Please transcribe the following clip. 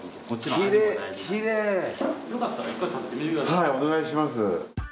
はいお願いします。